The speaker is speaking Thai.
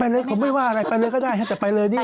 เลยเขาไม่ว่าอะไรไปเลยก็ได้ฮะแต่ไปเลยนี่